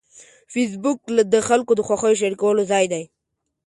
فېسبوک د خلکو د خوښیو شریکولو ځای دی